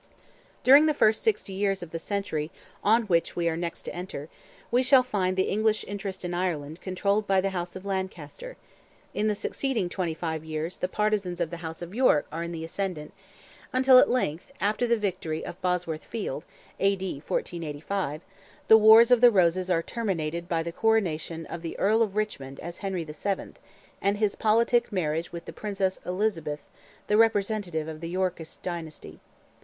During the first sixty years of the century on which we are next to enter, we shall find the English interest in Ireland controlled by the house of Lancaster; in the succeeding twenty five years the partizans of the house of York are in the ascendant; until at length, after the victory of Bosworth field (A.D. 1485), the wars of the roses are terminated by the coronation of the Earl of Richmond as Henry VII., and his politic marriage with the Princess Elizabeth—the representative of the Yorkist dynasty.